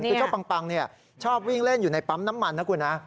คือเจ้าปังชอบวิ่งเล่นอยู่ในปั๊มน้ำมันนะคุณนะ